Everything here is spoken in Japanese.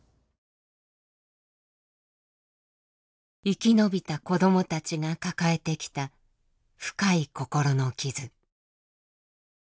生き延びた子どもたちが抱えてきた深い心の傷。